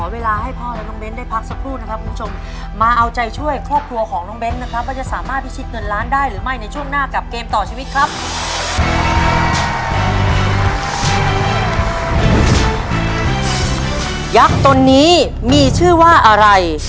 เวลาเริ่มเดินไปแล้วเหรอ